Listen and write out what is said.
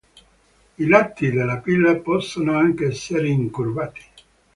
I lati della pila possono anche essere incurvati.